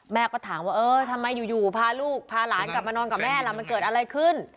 แม่ก็ถามว่าเออทำไมอยู่พาลูกพาหลานกลับมานอนกับแม่ล่ะมันเกิดอะไรขึ้น